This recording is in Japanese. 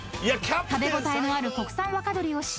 ［食べ応えのある国産若鶏を使用］